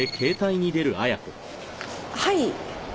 はい。